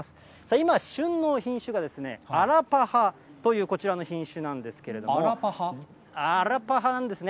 今、旬の品種がアラパハという、こちらの品種なんですけれども、アラパハですね。